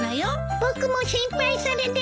僕も心配されてるです。